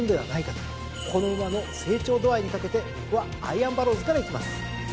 この馬の成長度合いに懸けて僕はアイアンバローズからいきます。